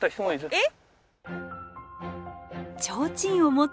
えっ！？